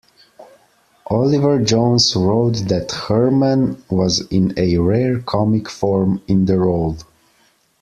Oliver Jones wrote that Herrmann was in "a rare comic form" in the role.